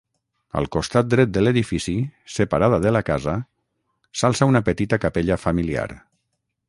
Al costat dret de l'edifici, separada de la casa, s'alça una petita capella familiar.